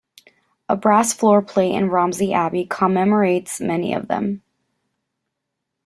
A brass floor plate in Romsey Abbey commemorates many of them.